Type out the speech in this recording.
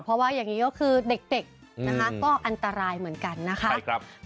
เพราะว่าอย่างนี้ก็คือเด็กนะคะก็อันตรายเหมือนกันนะคะ